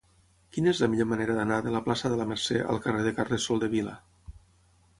Quina és la millor manera d'anar de la plaça de la Mercè al carrer de Carles Soldevila?